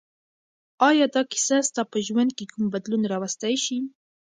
آیا دا کیسه ستا په ژوند کې کوم بدلون راوستی شي؟